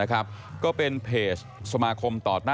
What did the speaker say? มีการเรียกหากล้อง